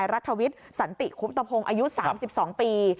รัฐวิทย์สันติคุบตะพงศ์อายุ๓๒ปี